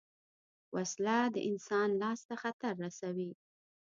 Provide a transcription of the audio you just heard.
وسله د انسان لاس ته خطر رسوي